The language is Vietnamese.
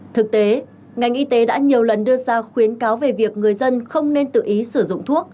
thực tế ngành y tế đã nhiều lần đưa ra khuyến cáo về việc người dân không nên tự ý sử dụng thuốc